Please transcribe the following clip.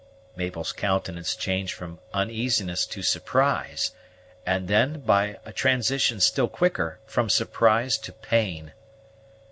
Mabel's countenance changed from uneasiness to surprise; and then, by a transition still quicker, from surprise to pain.